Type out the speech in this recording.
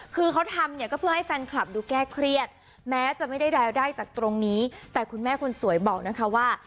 คือเขาทำเนี่ยก็เพื่อให้แฟนคลับดูแก้เครียดแม้จะไม่ได้รายได้จากตรงนี้แต่คุณแม่คนสวยบอกนะคะว่า